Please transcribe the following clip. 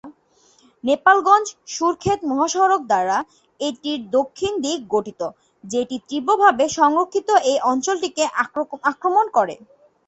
নেপালগুঞ্জ-সুরখেত মহাসড়ক দ্বারা এটির দক্ষিণ দিক গঠিত, যেটি তীব্রভাবে সংরক্ষিত এ-অঞ্চলটিকে আক্রমণ করে।